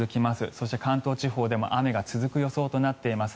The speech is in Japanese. そして、関東地方でも雨が続く予想となっています。